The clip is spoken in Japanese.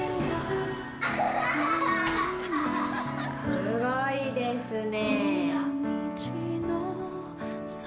すごいですね。